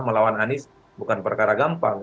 melawan anies bukan perkara gampang